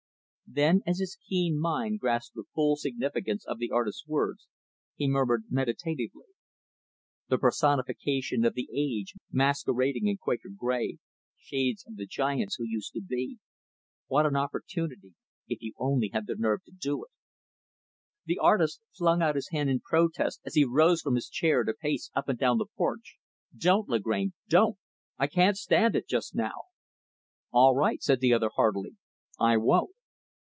Then, as his keen mind grasped the full significance of the artist's words, he murmured meditatively, "The personification of the age masquerading in Quaker gray Shades of the giants who used to be! What an opportunity if you only had the nerve to do it." The artist flung out his hand in protest as he rose from his chair to pace up and down the porch. "Don't, Lagrange, don't! I can't stand it, just now." "All right." said the other, heartily, "I won't."